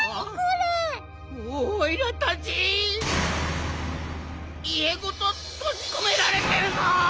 おいらたちいえごととじこめられてるぞ！